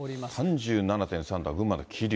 ３７．３度は群馬の桐生。